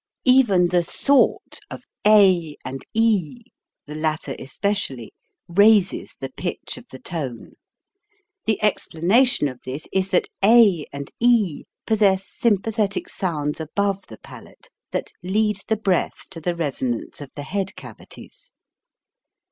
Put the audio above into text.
Even the thought of a and e, the latter espe cially, raises the pitch of the tone. The explanation of this is that a and e possess sym pathetic sounds above the palate that lead the breath to the resonance of the head cavi ties.